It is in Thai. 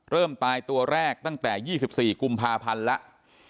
เริ่มตายตัวแรกตั้งแต่๒๔กุมภาพันธ์แล้ว